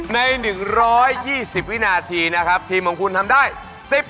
ใน๑๒๐วินาทีนะครับทีมของคุณทำได้